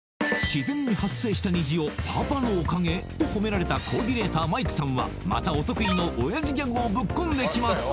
自然に発生した虹を「パパのおかげ」とほめられたコーディネーターマイクさんはまたお得意のオヤジギャグをブッ込んできます